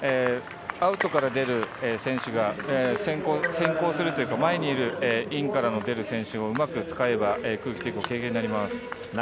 アウトから出る選手が先行するというか、前にいるインからの出る選手をうまく使えば空気抵抗の軽減になります。